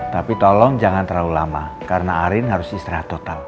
tapi tolong jangan terlalu lama karena arin harus istirahat total